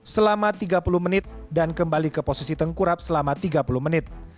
selama tiga puluh menit dan kembali ke posisi tengkurap selama tiga puluh menit